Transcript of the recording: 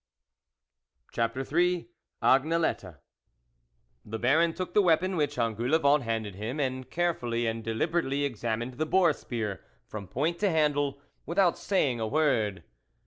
CHAPTER III AGNELETTE I HE Baron took the weapon which Engoulevent handed him, and care _, and deliberately examined the boar spear from point to handle, without saying a word.